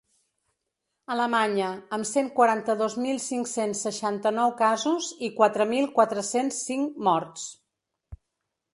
Alemanya, amb cent quaranta-dos mil cinc-cents seixanta-nou casos i quatre mil quatre-cents cinc morts.